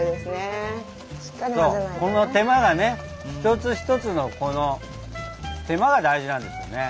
この手間がねひとつひとつのこの手間が大事なんですよね。